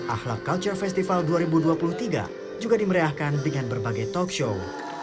ahlak culture festival dua ribu dua puluh tiga juga dimeriahkan dengan berbagai talk show